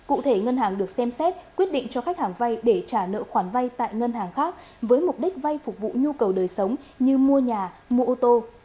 cụ thể ngân hàng được xem xét quyết định cho khách hàng vay để trả nợ khoản vay tại ngân hàng khác với mục đích vay phục vụ nhu cầu đời sống như mua nhà mua ô tô